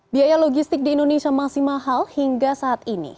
biaya logistik di indonesia masih mahal hingga saat ini